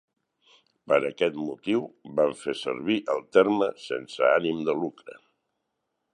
Per aquest motiu, vam fer servir el terme "sense ànim de lucre".